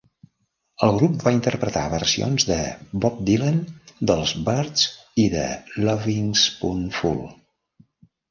El grup va interpretar versions de Bob Dylan, dels Byrds i de Lovin' Spoonful.